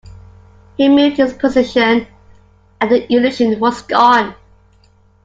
He moved his position, and the illusion was gone.